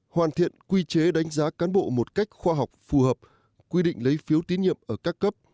hoàn thiện quy chế đánh giá cán bộ một cách khoa học phù hợp quy định lấy phiếu tín nhiệm ở các cấp